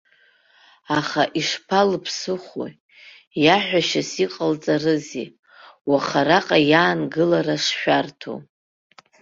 Аха ишԥалыԥсыхәоу, иаҳәашьас иҟалҵарызеи, уаха араҟа иаангылара шшәарҭоу.